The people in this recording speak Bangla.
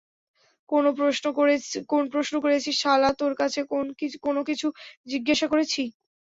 কোন প্রশ্ন করেছি শালা তোর কাছে কোন কিছু জিজ্ঞাসা করেছি?